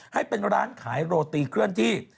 ให้เป็นร้านขายโรตีเคลื่อนที่